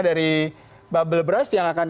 dari bubble brush yang akan